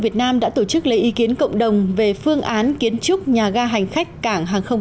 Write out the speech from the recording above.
việt nam đã tổ chức lấy ý kiến cộng đồng về phương án kiến trúc nhà ga hành khách cảng hàng không